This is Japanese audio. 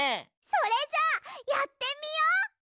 それじゃあやってみよう。